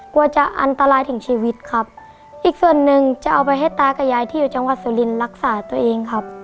กลัวจะอันตรายถึงชีวิตครับอีกส่วนหนึ่งจะเอาไปให้ตากับยายที่อยู่จังหวัดสุรินทร์รักษาตัวเองครับ